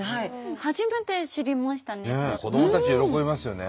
初めて知りましたね。